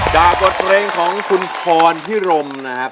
จากบทเพลงของคุณพรพิรมนะครับ